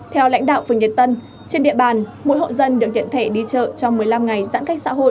theo lãnh đạo phường nhật tân trên địa bàn mỗi hộ dân được nhận thẻ đi chợ trong một mươi năm ngày giãn cách xã hội